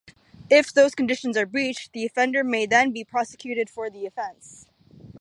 If those conditions are breached the offender may then be prosecuted for the offence.